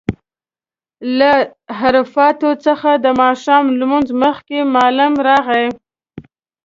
له عرفات څخه د ماښام لمونځ مخکې معلم راغی.